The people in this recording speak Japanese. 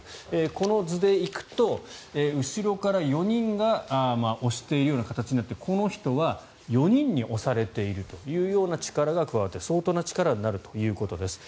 この図で行くと後ろから４人が押しているような形になってこの人は４人に押されているというような力が加わって相当な力になるということです。